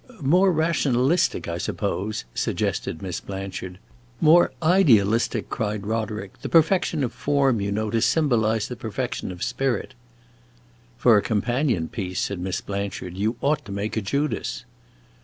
"More rationalistic, I suppose," suggested Miss Blanchard. "More idealistic!" cried Roderick. "The perfection of form, you know, to symbolize the perfection of spirit." "For a companion piece," said Miss Blanchard, "you ought to make a Judas."